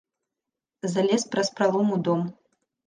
Залез праз пралом у дом.